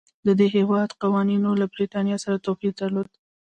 د دې هېواد قوانینو له برېټانیا سره توپیر درلود.